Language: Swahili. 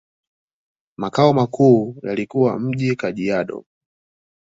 Makao makuu yalikuwa mjini Kajiado.